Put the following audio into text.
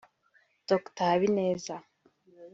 Dr Habineza